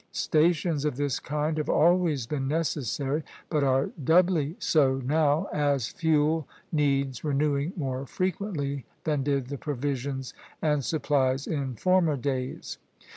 Stations of this kind have always been necessary, but are doubly so now, as fuel needs renewing more frequently than did the provisions and supplies in former days.